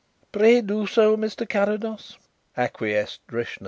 "Pray do so, Mr. Carrados," acquiesced Drishna.